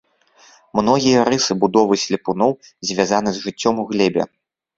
Многія рысы будовы слепуноў звязаны з жыццём у глебе.